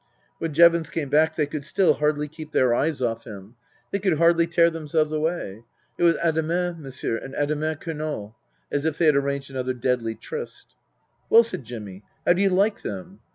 When Jevons came back they could still hardly keep their eyes off him ; they could hardly tear themselves away. It was " Ademain, Monsieur," and "A demain, Colonel," as if they had arranged another deadly tryst. " Well," said Jimmy, " how do you like them